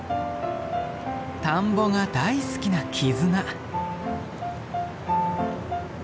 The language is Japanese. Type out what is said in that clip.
田んぼが大好きな絆。